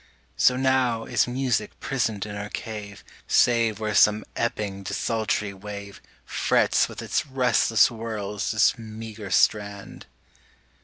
So now is music prisoned in her cave, Save where some ebbing desultory wave Frets with its restless whirls this meagre strand.